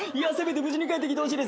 「無事に帰ってきてほしいです」